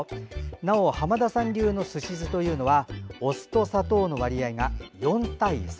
なお、浜田さん流のすし酢はお酢と砂糖の割合が４対３。